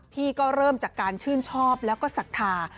พี่ก็เริ่มจากการชื่นชอบแล้วก็ศรัทธา